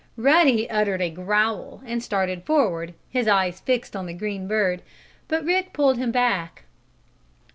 Ruddy uttered a growl and started forward, his eyes fixed on the green bird, but Rick pulled him back.